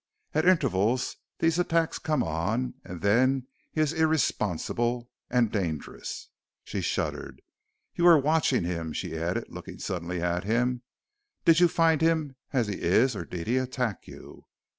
At intervals these attacks come on and then he is irresponsible and dangerous." She shuddered. "You were watching him," she added, looking suddenly at him; "did you find him as he is or did he attack you?